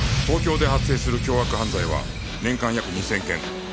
東京で発生する凶悪犯罪は年間約２０００件